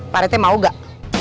pak rt mau nggak